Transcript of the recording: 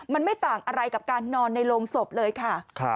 มันไม่ต่างอะไรกับการนอนในโรงศพเลยค่ะ